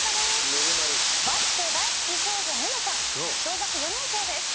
「バスケ大好き少女ｎｅｎｅちゃん小学４年生です」